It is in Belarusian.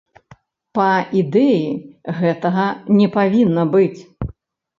Па ідэі, гэтага не павінна быць.